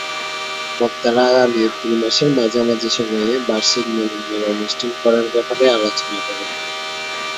বক্তারা আগামী এপ্রিল মাসের মাঝামাঝি সময়ে বার্ষিক মিলনমেলা অনুষ্ঠান করার ব্যাপারে আলোচনা করেন।